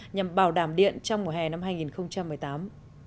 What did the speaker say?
nhằm bảo đảm điện trong mùa hè năm hai nghìn một mươi tám